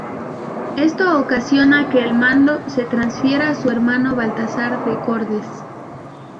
Esto ocasiona que el mando se transfiera a su hermano Baltazar de Cordes.